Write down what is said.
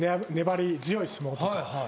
粘り強い相撲とか。